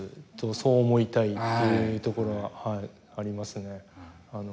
そう思いたいところがありますね。